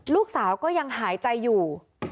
ลูกสาวก็ยังหายใจอยู่